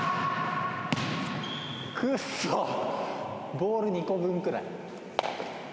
ボール２個分くらい。